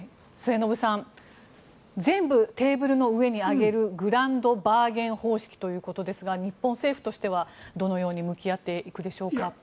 末延さん全部テーブルの上に上げるグランドバーゲン方式ということですが日本政府としてはどのように向き合っていくでしょうか。